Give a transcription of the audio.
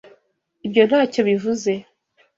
Ibyo ntacyo bivuze